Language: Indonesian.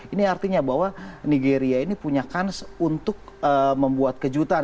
ini artinya bahwa nigeria ini punya kans untuk membuat kejutan